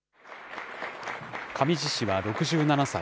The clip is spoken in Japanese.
上地氏は６７歳。